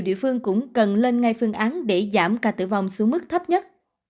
địa phương cũng cần lên ngay phương án để giảm ca tử vong xuống mức thấp nhất